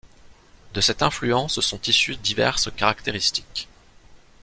De cette influence sont issues diverses caractéristiques.